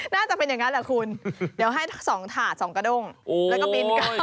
น่าจะเป็นอย่างนั้นแหละคุณเดี๋ยวให้๒ถาด๒กระด้งแล้วก็บินกัน